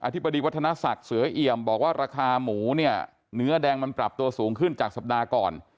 ธิบดีวัฒนศักดิ์เสือเอี่ยมบอกว่าราคาหมูเนี่ยเนื้อแดงมันปรับตัวสูงขึ้นจากสัปดาห์ก่อน